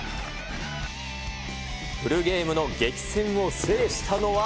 フルゲームの激戦を制したのは。